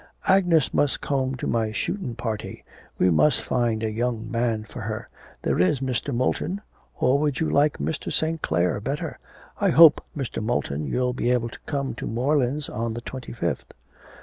'Agnes must come to my shootin' party, we must find a young man for her, there is Mr. Moulton, or would you like Mr. St. Clare better? I hope, Mr. Moulton, you'll be able to come to Morelands on the twenty fifth.'